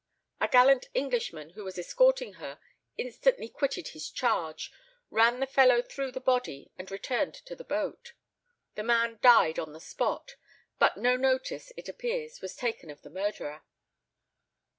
A gallant Englishman who was escorting her instantly quitted his charge, ran the fellow through the body, and returned to the boat. The man died on the spot, but no notice, it appears, was taken of the murderer.